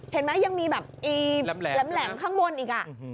เห็นไหมยังมีแบบแหลมข้างบนอีก